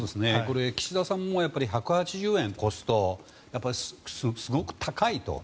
岸田さんも１８０円を超すとすごく高いと。